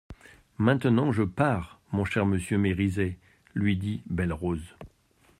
Maintenant je pars, mon cher monsieur Mériset, lui dit Belle-Rose.